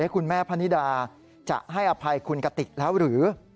คุณแม่พนิดาจะให้อภัยคุณกติกแล้วหรือ